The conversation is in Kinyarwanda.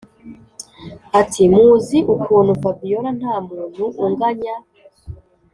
ati”muzi ukuntu fabiora ntamuntu unganya